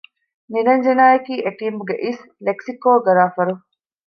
ނިރަންޖަނާ އަކީ އެޓީމުގެ އިސް ލެކްސިކޯގަރާފަރު